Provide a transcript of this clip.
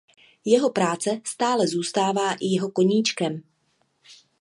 Jeho práce stále zůstává i jeho koníčkem.